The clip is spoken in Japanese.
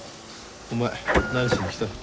お前何しに来た？